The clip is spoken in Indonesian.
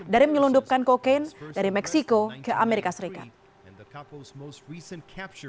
dari menyelundupkan kokain dari meksiko ke amerika serikat